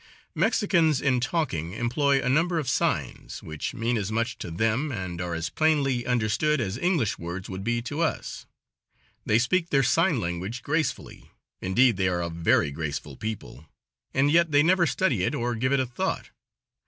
Mexicans in talking employ a number of signs, which mean as much to them and are as plainly understood as English words would be to us. They speak their sign language gracefully; indeed, they are a very graceful people, and yet they never study it or give it a thought.